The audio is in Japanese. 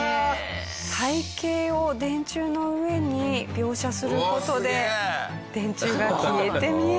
背景を電柱の上に描写する事で電柱が消えて見えます。